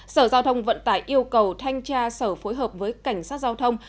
sở giao thông vận tải yêu cầu thanh tra sở phối hợp với cảnh sát giao thông